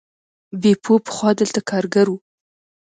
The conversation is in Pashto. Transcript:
بیپو پخوا دلته کارګر و.